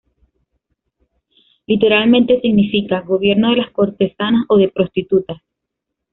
Literalmente significa "gobierno de las cortesanas o de prostitutas".